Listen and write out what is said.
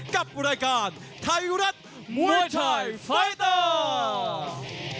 กับรายการไทยรัฐมวยไทยไฟเตอร์